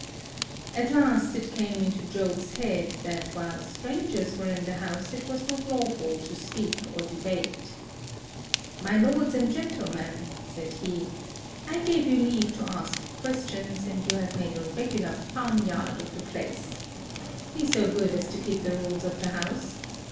At last it came into Jove's head, that while strangers 9 were in the House it was not lawful to speak or debate. "My lords and gentlemen," said he, "I gave you leave to ask questions, and you have made a regular farmyard [Footnote: Proverb: meaning unknown.] of the place. Be so good as to keep the rules of the House.